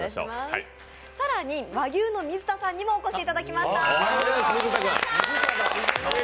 更に和牛の水田さんにもお越しいただきました。